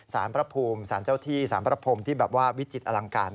สารพระภูมิสารเจ้าที่สารพระภูมิที่วิจิตอลังการ